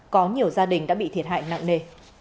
có nhiều gia đình đã bị thiệt hại nặng nề